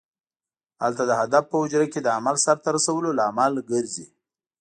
هلته د هدف په حجره کې د عمل سرته رسولو لامل ګرځي.